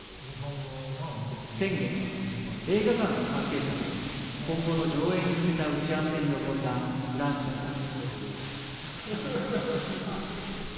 先月、映画館の関係者と今後の上映に向けた打ち合わせに臨んだフランシスさん。